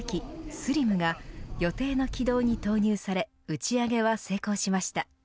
ＳＬＩＭが予定の軌道に投入され打ち上げは成功しました。